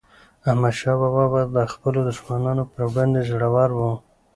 احمدشاه بابا به د خپلو دښمنانو پر وړاندي زړور و.